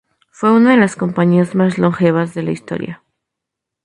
Fue una de las compañías más longevas de la historia.